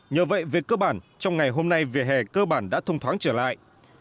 nhờ vậy việc cơ bản trong ngày hôm nay về hè cơ bản đã thông thoáng trở lại